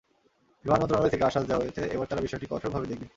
বিমান মন্ত্রণালয় থেকে আশ্বাস দেওয়া হয়েছে, এবার তারা বিষয়টি কঠোরভাবে দেখবে।